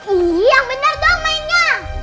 ih yang bener dong mainnya